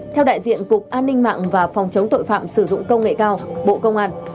theo đại diện cục an ninh mạng và phòng chống tội phạm sử dụng công nghệ cao bộ công an